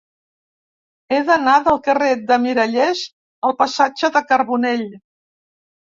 He d'anar del carrer de Mirallers al passatge de Carbonell.